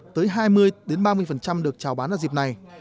tới hai mươi ba mươi được trào bán ở dịp này